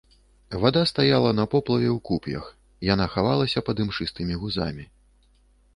Вада стаяла на поплаве ў куп'ях, яна хавалася пад імшыстымі гузамі.